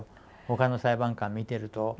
他の裁判官見てると。